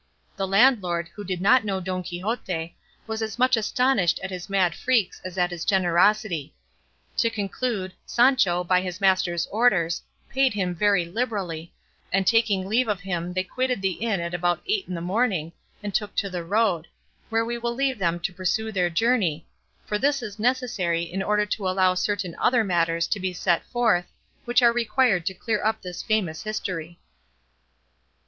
The landlord, who did not know Don Quixote, was as much astonished at his mad freaks as at his generosity. To conclude, Sancho, by his master's orders, paid him very liberally, and taking leave of him they quitted the inn at about eight in the morning and took to the road, where we will leave them to pursue their journey, for this is necessary in order to allow certain other matters to be set forth, which are required to clear up this famous history.